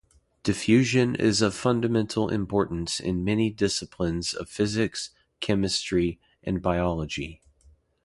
Diffusion is of fundamental importance in many disciplines of physics, chemistry, and biology.